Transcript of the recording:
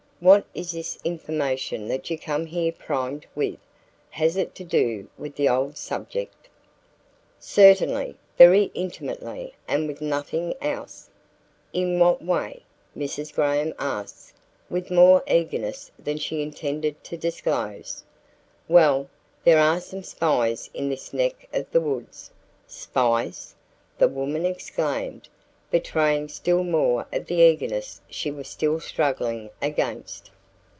What is this information that you come here primed with? Has it to do with the old subject?" "Certainly, very intimately, and with nothing else." "In what way?" Mrs. Graham asked with more eagerness than she intended to disclose. "Well, there are some spies in this neck of the woods." "Spies!" the woman exclaimed, betraying still more of the eagerness she was still struggling against.